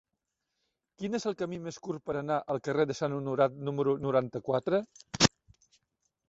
Quin és el camí més curt per anar al carrer de Sant Honorat número noranta-quatre?